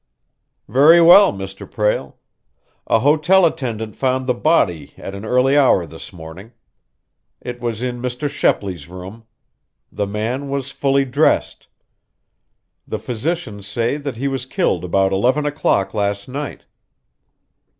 "Very well, Mr. Prale. A hotel attendant found the body at an early hour this morning. It was in Mr. Shepley's room. The man was fully dressed. The physicians say that he was killed about eleven o'clock last night."